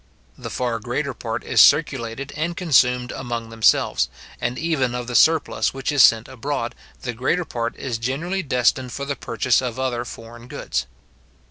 The far greater part is circulated and consumed among themselves; and even of the surplus which is sent abroad, the greater part is generally destined for the purchase of other foreign goods.